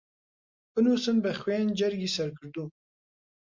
بنووسن بە خوێن جەرگی سەر کردووم